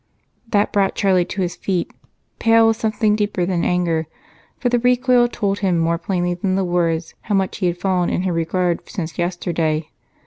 That brought Charlie to his feet, pale with something deeper than anger, for the recoil told him more plainly than the words how much he had fallen in her regard since yesterday.